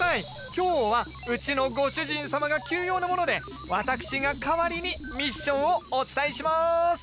今日はうちのご主人様が急用なもので私が代わりにミッションをお伝えします！